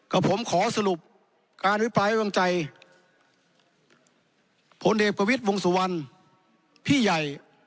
กะผมขอสรุปการวิบายแว่งใจพลิเจกต์วงศุวรรณผู้ใหญ่